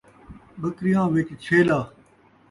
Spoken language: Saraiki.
ٻکریاں وچ چھیلا